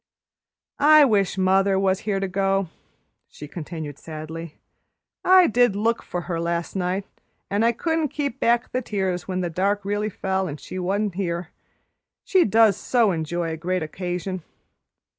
"I wish mother was here to go," she continued sadly. "I did look for her last night, and I couldn't keep back the tears when the dark really fell and she wa'n't here, she does so enjoy a great occasion.